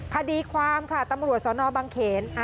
คดีความค่ะตำรวจสนบังเขน